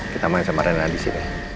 kita main sama rena di sini